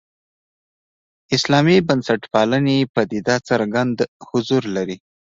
اسلامي بنسټپالنې پدیده څرګند حضور لري.